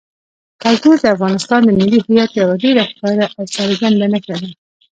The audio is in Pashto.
کلتور د افغانستان د ملي هویت یوه ډېره ښکاره او څرګنده نښه ده.